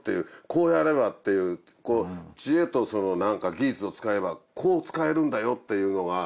こうやればっていう知恵と技術を使えばこう使えるんだよっていうのが。